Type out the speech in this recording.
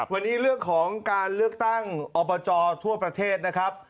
วันนี้เรื่องของการเลือกตั้งอบจทั่วประเทศนะครับ